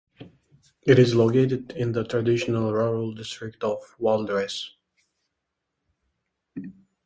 It is located in the traditional rural district of Valdres.